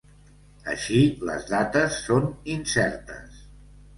Així les dates són incertes.